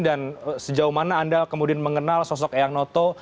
dan sejauh mana anda kemudian mengenal sosok eyang noto